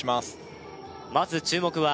まず注目は